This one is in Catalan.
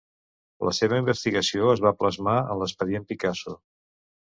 La seva investigació es va plasmar en l'Expedient Picasso.